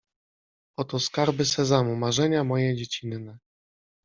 „Oto skarby Sezamu, marzenia moje dziecinne”.